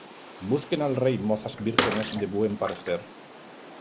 Busquen al rey mozas vírgenes de buen parecer;